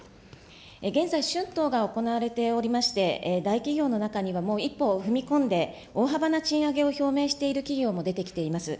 現在、春闘が行われておりまして、大企業の中には、もう一歩踏み込んで、大幅な賃上げを表明している企業も出てきています。